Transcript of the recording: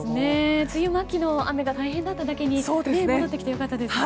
梅雨末期の雨が大変だっただけに戻ってきてよかったです。